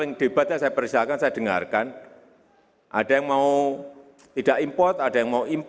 merata orous ya masih dan sdo lagi